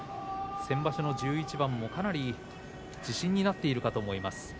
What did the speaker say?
先場所１１番もかなり自信になっているかと思います。